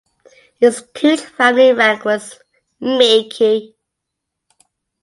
Its "kuge" family rank was "meike".